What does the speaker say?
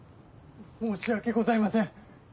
申し訳ございません。